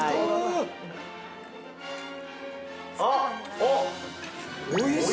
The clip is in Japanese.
◆あっ！